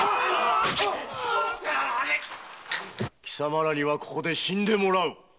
貴様らにはここで死んでもらう。